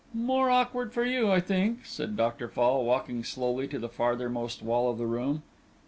"More awkward for you, I think," said Doctor Fall, walking slowly to the farthermost wall of the room.